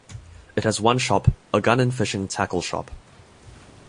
It has one shop - a gun and fishing tackle shop.